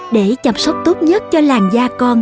để chăm sóc tốt nhất cho làn da con